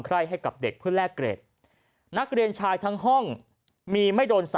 ให้กับเด็กเพื่อแลกเกรดนักเรียนชายทั้งห้องมีไม่โดน๓